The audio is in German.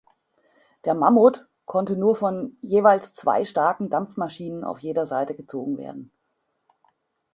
Der "Mammut" konnte nur von jeweils zwei starken Dampfmaschinen auf jeder Seite gezogen werden.